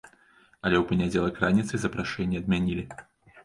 Але ў панядзелак раніцай запрашэнне адмянілі.